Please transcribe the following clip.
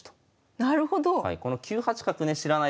なるほど。